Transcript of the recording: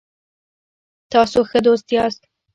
تاسو ښه دوست یاست